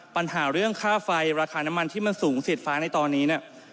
ปัญหาเรื่องค่าไฟราคาน้ำมันที่มันสูงเสียดฟ้าในตอนนี้เนี่ย